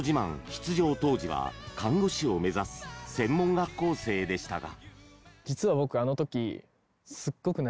出場当時は看護師を目指す専門学校生でしたが。